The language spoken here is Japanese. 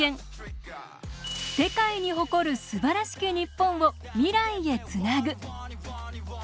世界に誇るすばらしき日本を未来へつなぐ。